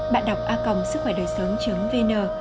bạn đọc a sứckhoaiđờisớn vn